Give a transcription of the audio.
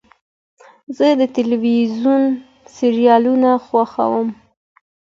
زه د تلویزیون سریالونه خوښوم.